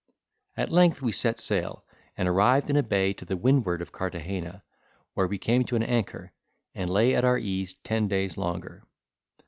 At length we set sail, and arrived in a bay to the windward of Carthagena, where we came to an anchor, and lay at our ease ten days longer.